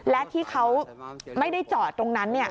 และที่เขาไม่ได้จอดตรงนั้น